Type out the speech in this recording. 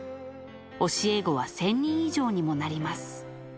教え子は１０００人以上にもなります。